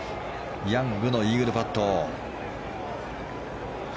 ヤングのイーグルパット。